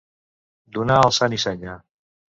Donar el sant i senya.